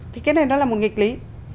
thì cái này nó là một nghịch lý